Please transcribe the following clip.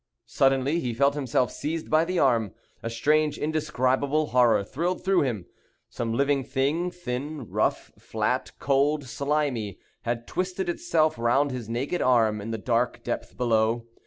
Suddenly he felt himself seized by the arm. A strange indescribable horror thrilled through him. Some living thing, thin, rough, flat, cold, slimy, had twisted itself round his naked arm, in the dark depth below.